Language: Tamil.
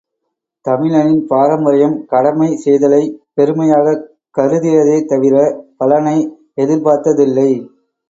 தமிழனின் பாரம்பரியம் கடமை செய்தலைப் பெருமையாகக் கருதியதே தவிர, பலனை எதிர்பார்த்த தில்லை.